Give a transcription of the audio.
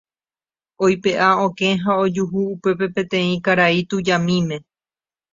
Oipe'a okẽ ha ojuhu upépe peteĩ karai tujamíme.